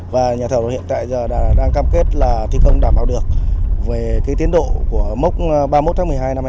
và nhà thầu hiện tại đang cam kết là thi công đảm bảo được về tiến độ của mốc ba mươi một tháng một mươi hai năm hai nghìn một mươi chín